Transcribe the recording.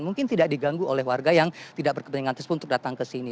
mungkin tidak diganggu oleh warga yang tidak berkepentingan tersebut untuk datang ke sini